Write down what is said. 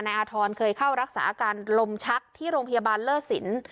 อาธรณ์เคยเข้ารักษาอาการลมชักที่โรงพยาบาลเลิศสิน